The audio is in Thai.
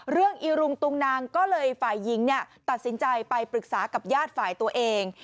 เรื่องอีลุงตุงนางก็เลยฝ่ายยิงเนี่ยตัดสินใจไปปรึกษากับญาติฝ่ายตัวเอง